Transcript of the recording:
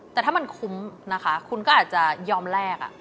แต่ถ้ามันคุ้มนะคะคุณก็อาจจะยอมแลก